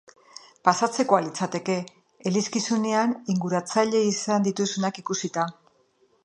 Pasatzekoa litzateke, elizkizunean inguratzaile izan dituzunak ikusita.